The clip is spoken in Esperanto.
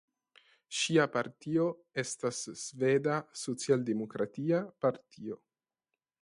Ŝia partio estas Sveda socialdemokratia partio.